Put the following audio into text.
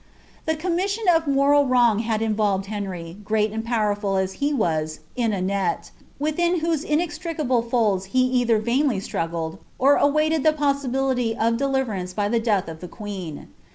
The commission of moral wrong had involved Henry, great and pow eifal as he was, in a net, within whose inextricable folds he either vainly itTvggted, or awaited the possibility of deliverance by the death of the •{ueen.